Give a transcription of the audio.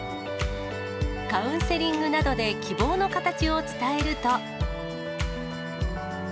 カウンセリングなどで希望の形を伝えると。